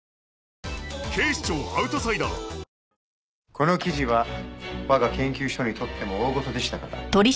この記事は我が研究所にとっても大ごとでしたから。